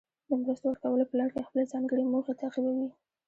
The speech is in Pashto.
د مرستو ورکولو په لړ کې خپلې ځانګړې موخې تعقیبوي.